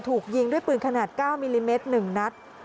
ถูกยิงด้วยปืนขนาด๙ม๑นัส